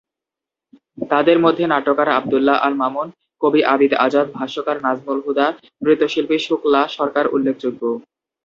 তাদের মধ্যে নাট্যকার আব্দুল্লাহ আল মামুন, কবি আবিদ আজাদ, ভাষ্যকার নাজমুল হুদা, নৃত্য শিল্পী শুক্লা সরকার উল্লেখযোগ্য।